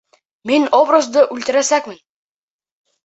Мин образды үлтерәсәкмен!